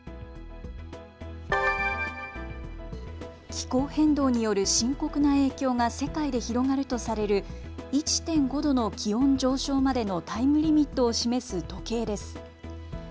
気候変動による深刻な影響が世界で広がるとされる１．５度の気温上昇までのタイムリミットを示す時計です。